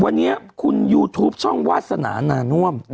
วันนี้คุณยูทูปช่องวาสนานาน่วม